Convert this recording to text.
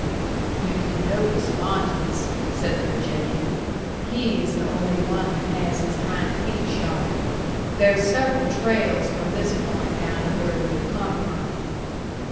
"You can notice Monte's," said the Virginian. "He is the only one that has his hind feet shod. There's several trails from this point down to where we have come from."